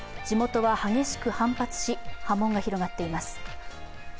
地元は激しく反発し波紋が広がっています。